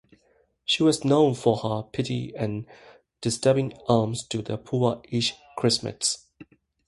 She was known for her piety and distributing alms to the poor each Christmas.